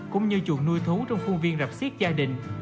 cũng như chuồng nuôi thú trong khu viên rạp xiết gia đình